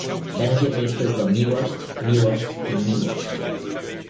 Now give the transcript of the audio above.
"Będzie w nich tylko miłość, miłość i miłość!"